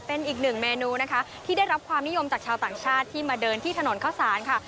เป็นอีกหนึ่งเมนูนะคะที่ได้รับความนิยมจากชาวต่างชาติที่มาเดินที่ถนนข้าวสารค่ะ